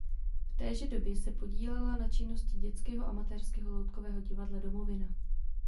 V téže době se podílela na činnosti dětského amatérského loutkového divadla Domovina.